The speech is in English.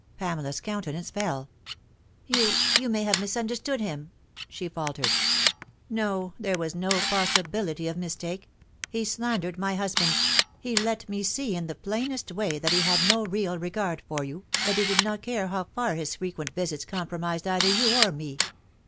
Pamela's countenance fell. "You you may have misunderstood him," she faltered. "No, there was no possibility of mistake. He slandered my husband. He let me see in the plainest way that he had no real regard for you, that he did not care how far his frequent visits compromised either you or me.